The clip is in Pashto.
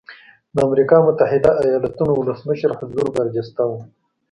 د امریکا متحده ایالتونو ولسمشر حضور برجسته و.